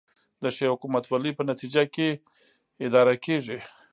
د ښې حکومتولې په نتیجه کې اداره کیږي